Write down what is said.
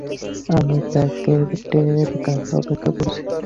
আমি প্যাকার্ডের কাছে অপেক্ষা করছি।